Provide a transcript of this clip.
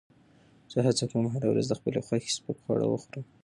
زه هڅه کوم هره ورځ د خپل خوښې سپک خواړه وخورم.